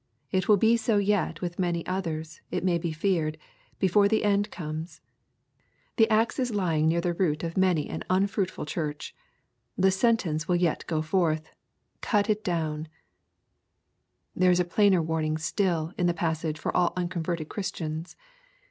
It will be so yet with many others, it may be feared, before the end comes. The axe is Ijnng near the root of many an un fruitful Church. The sentence will yet go forth, " Cut it down/' There is a plainer warning still in the passage for all unconverted Christians.